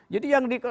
jadi yang di